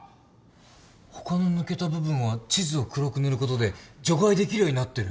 他の抜けた部分は地図を黒く塗ることで除外できるようになってる。